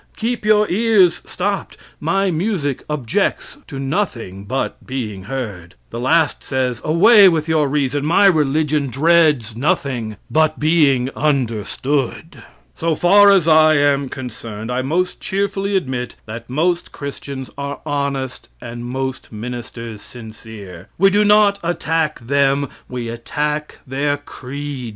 Keep your ears stopped; my music objects to nothing but being heard." The last says: "Away with your reason; my religion dreads nothing but being understood." So far as I am concerned, I most cheerfully admit that most Christians are honest and most ministers sincere. We do not attack them; we attack their creed.